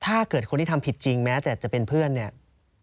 ถ้าเกิดคนที่ทำผิดจริงแม้แต่จะเป็นเพื่อนเนี่ย